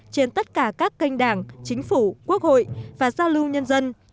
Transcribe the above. trên tất cả các kênh đảng chính phủ quốc hội và giao lưu nhân dân